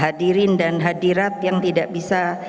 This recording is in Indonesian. hadirin dan hadirat yang tidak bisa